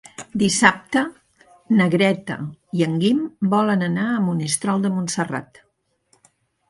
Dissabte na Greta i en Guim volen anar a Monistrol de Montserrat.